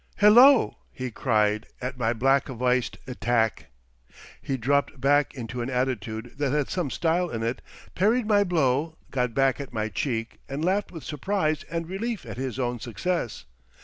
"Hello!" he cried, at my blackavised attack. He dropped back into an attitude that had some style in it, parried my blow, got back at my cheek, and laughed with surprise and relief at his own success.